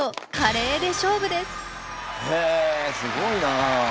へえすごいな。